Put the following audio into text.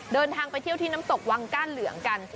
เดินทางไปเที่ยวที่น้ำตกวังก้านเหลืองกัน